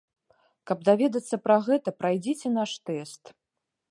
Каб даведацца пра гэта, прайдзіце наш тэст.